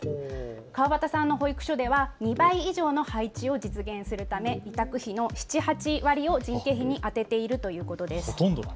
川端さんの保育所では２倍以上の配置を実現するため委託費の７、８割を人件費に充てているということです。